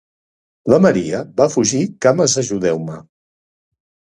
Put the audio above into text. La Maria va fugir cames ajudeu-me.